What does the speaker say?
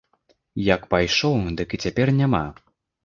Як пайшоў, дык і цяпер няма.